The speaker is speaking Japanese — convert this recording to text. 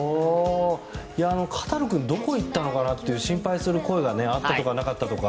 カタルくんどこ行ったのかなって心配する声があったとかなかったとか。